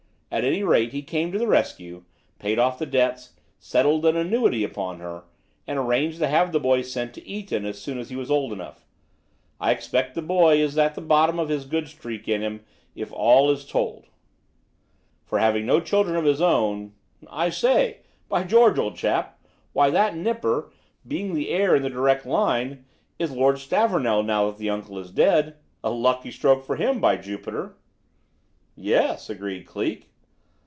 At any rate, he came to the rescue, paid off the debts, settled an annuity upon her, and arranged to have the boy sent to Eton as soon as he was old enough. I expect the boy is at the bottom of this good streak in him if all is told; for, having no children of his own I say! By George, old chap! Why, that nipper, being the heir in the direct line, is Lord Stavornell now that the uncle is dead! A lucky stroke for him, by Jupiter!" "Yes," agreed Cleek.